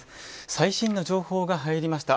最新の情報が入りました。